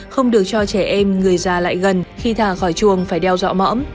không được cho trẻ em người già lại gần khi thả khỏi chuồng phải đeo dọa mõm